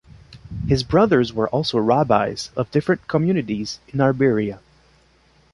His brothers were also rabbis of different communities in Iberia.